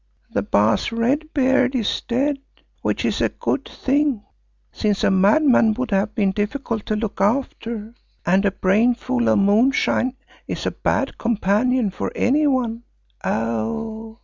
The Baas Red Beard is dead, which is a good thing, since a madman would have been difficult to look after, and a brain full of moonshine is a bad companion for any one. Oh!